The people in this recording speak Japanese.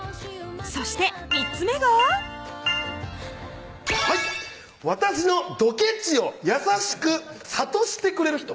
そして３つ目がはい「私のドケチを優しく諭してくれる人」